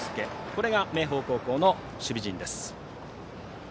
これが明豊高校の守備陣です。